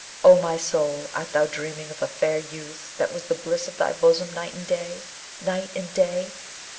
O my soul, art thou dreaming of a fair youth that was the bliss of thy bosom night and day, night and day?